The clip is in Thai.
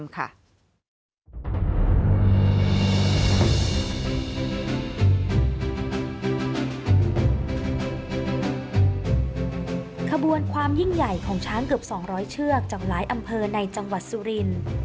ขบวนความยิ่งใหญ่ของช้างเกือบ๒๐๐เชือกจากหลายอำเภอในจังหวัดสุรินทร์